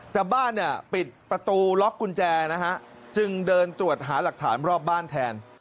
แต่บ้านเนี่ยปิดประตูล็อกกุญแจนะฮะจึงเดินตรวจหาหลักฐานรอบบ้านแทน